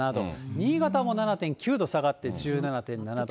新潟も７．９度下がって１７．７度。